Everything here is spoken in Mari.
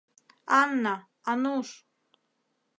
Анна, Ануш...